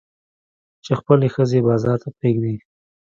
چې خپلې ښځې بازار ته پرېږدي.